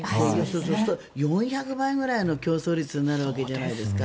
そうすると４００倍ぐらいの競争率になるわけじゃないですか。